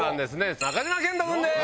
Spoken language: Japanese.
中島健人君です！